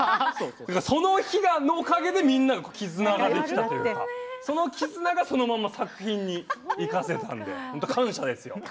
その日のおかげで、みんなの絆ができたというかその絆がそのまま作品に生かせたので感謝ですよ。